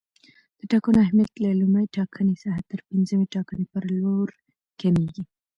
د ټاکنو اهمیت له لومړۍ ټاکنې څخه تر پنځمې ټاکنې پر لور کمیږي.